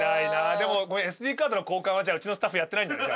でもごめんＳＤカードの交換はうちのスタッフやってないんだね。